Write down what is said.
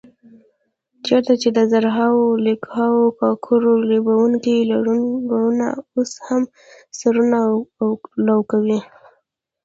چېرته چې د زرهاو او لکهاوو ککرو ریبونکي لرونه اوس هم سرونه لو کوي.